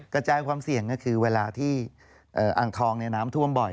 กระจายความเสี่ยงก็คือเวลาที่อ่างทองน้ำท่วมบ่อย